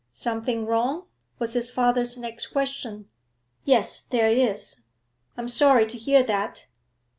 'Something wrong?' was his father's next question. 'Yes, there is.' 'I'm sorry to hear that.'